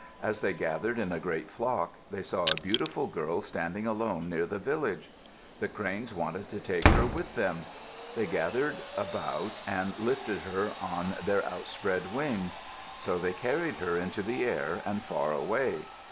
As they gathered in a great flock, they saw a beautiful girl standing alone near the village. The cranes wanted to take her with them. They gathered about and lifted her on their outspread wings. So they carried her into the air and far away.